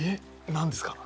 何ですか？